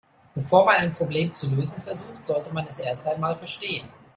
Bevor man ein Problem zu lösen versucht, sollte man es erst einmal verstehen.